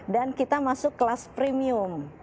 dan kita masuk kelas premium